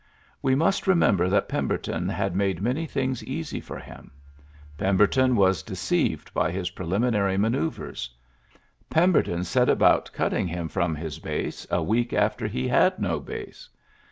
We must remember that Pemberton had made many things easy for him ; Pem berton was deceived by his preliminary manoeuvres. Pemberton set about cut ting him from his base a week after he had no base.